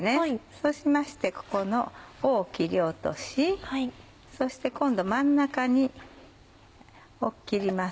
そうしましてここの尾を切り落としそして今度真ん中を切ります。